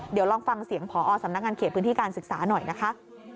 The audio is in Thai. เดี๋ยวลองฟังเสียงพอสำนักงานเขตพื้นที่การศึกษาหน่อยนะคะ